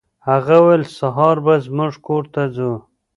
هغه وویل سهار به زموږ کور ته ځو.